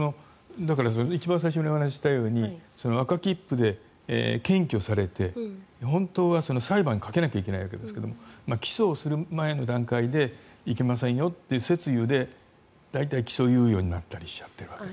一番最初にお話ししたように赤切符で検挙されて本当は裁判にかけなきゃいけないわけですが起訴をする前の段階でいけませんよという説諭で大体、起訴猶予になったりしているわけです。